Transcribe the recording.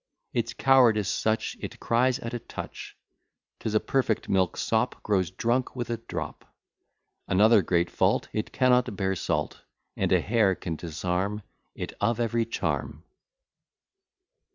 Its cowardice such it cries at a touch; 'Tis a perfect milksop, grows drunk with a drop, Another great fault, it cannot bear salt: And a hair can disarm it of every charm.